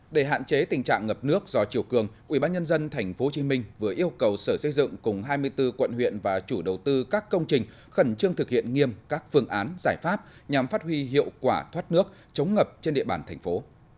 để hạn chế tình trạng ngập nước do chiều cường ubnd tp hcm vừa yêu cầu sở xây dựng cùng hai mươi bốn quận huyện và chủ đầu tư các công trình khẩn trương thực hiện nghiêm các phương án giải pháp nhằm phát huy hiệu quả thoát nước chống ngập trên địa bàn thành phố